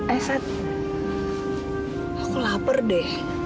esat aku lapar deh